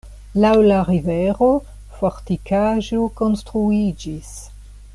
Laŭ la rivero fortikaĵo konstruiĝis.